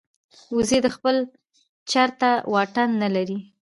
وزې د خپل چرته واټن نه لري